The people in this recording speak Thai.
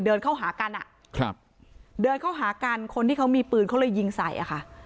เดินเข้าหากันอ่ะครับเดินเข้าหากันคนที่เขามีปืนเขาเลยยิงใส่อ่ะค่ะ